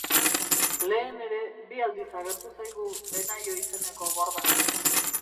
Lehen ere bi aldiz agertu zaigu Benaio izeneko borda.